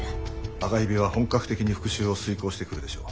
赤蛇は本格的に復讐を遂行してくるでしょう。